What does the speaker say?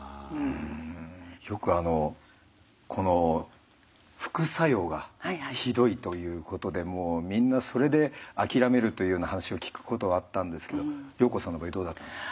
よくあのこの副作用がひどいということでみんなそれで諦めるというような話を聞くことはあったんですけど暢子さんの場合どうだったんですか？